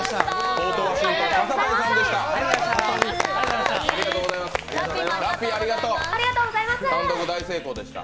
ポートワシントン・笠谷さんでした。